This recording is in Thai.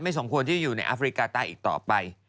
สมควรที่จะอยู่ในแอฟริกาใต้อีกต่อไป